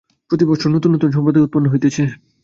প্রতিবৎসর নূতন নূতন সম্প্রদায় উৎপন্ন হইতেছে।